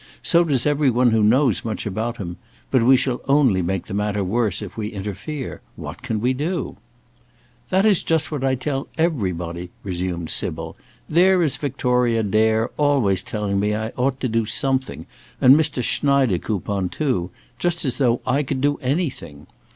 So does every one who knows much about him. But we shall only make the matter worse if we interfere. What can we do?" "That is just what I tell everybody," resumed Sybil. "There is Victoria Dare always telling me I ought to do something; and Mr. Schneidekoupon too; just as though I could do anything.